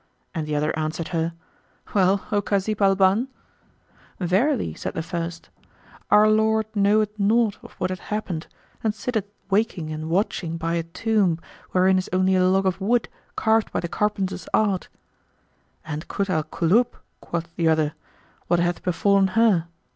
and the other answered her "Well, O Kazíb al Bán?"[FN#119] "Verily" said the first, "our lord knoweth naught of what hath happened and sitteth waking and watching by a tomb wherein is only a log of wood carved by the carpenter's art." "And Kut al Kulub," quoth the other, "what hath befallen her?"